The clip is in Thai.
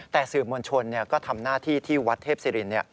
แต่สื่อมวลชนก็ทำหน้าที่ที่วัดเทพศิริน